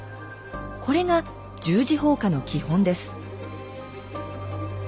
これが十字砲火の基本です。